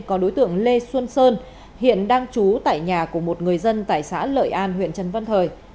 có đối tượng lê xuân sơn hiện đang trú tại nhà của một người dân tại xã lợi an huyện trần văn thời